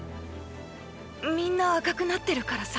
みんな赤くなってるからさ。